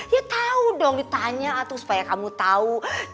ya tau dong ditanya atau supaya kamu tau